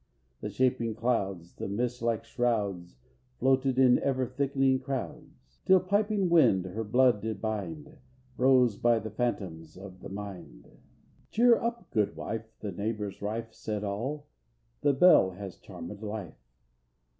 The shaping clouds, the mist, like shrouds, Floated in ever thickening crowds, Till piping wind her blood did bind, Froze by the phantoms of the mind. IV. "Cheer up, good wife," the neighbors rife Said all, "the Bell has charmëd life.